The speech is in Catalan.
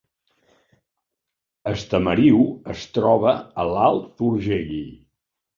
Estamariu es troba a l’Alt Urgell